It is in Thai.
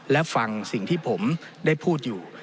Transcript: และฟังสิ่งที่ผมได้พูดอยู่